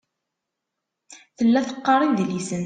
Tella teqqar idlisen.